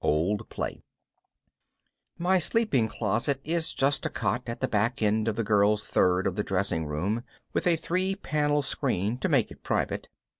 Old Play My sleeping closet is just a cot at the back end of the girls' third of the dressing room, with a three panel screen to make it private.